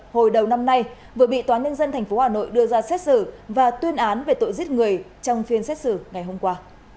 hồi đầu năm nay vừa bị tnthh đưa ra xét xử và tuyên án về tội giết người trong phiên xét xử ngày hôm qua